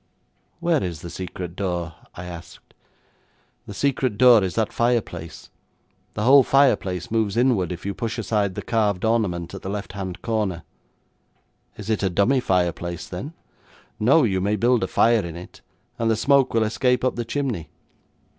'Where is the secret door?' I asked. 'The secret door is that fireplace. The whole fireplace moves inward if you push aside the carved ornament at the left hand corner.' 'Is it a dummy fireplace, then?' 'No, you may build a fire in it, and the smoke will escape up the chimney.